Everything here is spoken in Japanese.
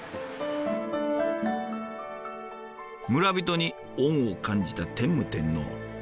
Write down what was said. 村人に恩を感じた天武天皇。